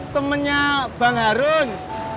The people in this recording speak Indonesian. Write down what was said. temennya bang harun